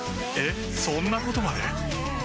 えっそんなことまで？